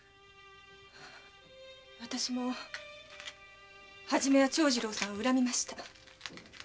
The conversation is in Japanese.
私も初めは長次郎さんを恨みました。